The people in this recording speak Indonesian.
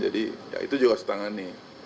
jadi ya itu juga setangani